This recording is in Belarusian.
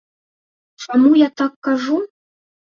Чаму я так кажу?